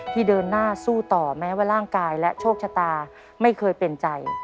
เดินหน้าสู้ต่อแม้ว่าร่างกายและโชคชะตาไม่เคยเป็นใจ